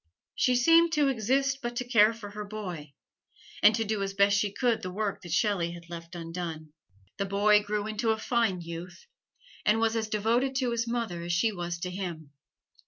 She seemed to exist but to care for her boy, and to do as best she could the work that Shelley had left undone. The boy grew into a fine youth, and was as devoted to his mother as she was to him.